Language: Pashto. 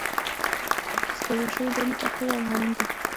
د سپارل شوو دندو تعقیب هم اړین دی.